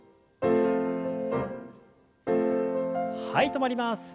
はい止まります。